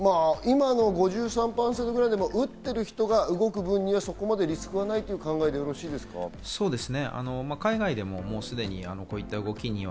佐藤先生、今の５３％ぐらいの打っている人が動くぶんにはそれほどリスクがないと考えてよろしいですか？